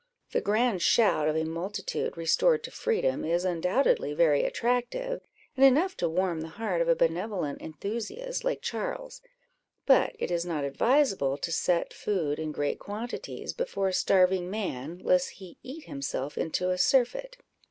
The grand shout of a multitude restored to freedom is undoubtedly very attractive, and enough to warm the heart of a benevolent enthusiast like Charles; but it is not advisable to set food in great quantities before a starving man, lest he eat himself into a surfeit.